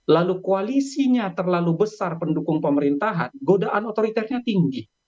lalu koalisinya terlalu besar pendukung pemerintahan godaan otoriternya tinggi